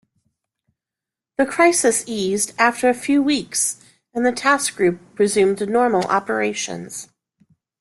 The crisis eased after a few weeks, and the task group resumed normal operations.